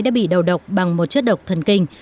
đã bị đầu độc bằng một chất độc thần kinh